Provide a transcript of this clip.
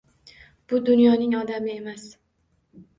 Bu dunyoning odami emas.